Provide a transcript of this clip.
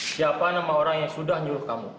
siapkan akun atau bisa dikenal kamu